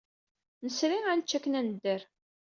Nesri ad nečč akken ad nedder.